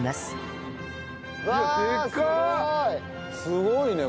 すごいね！